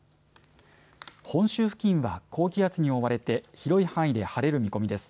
本州付近は高気圧に覆われて広い範囲で晴れる見込みです。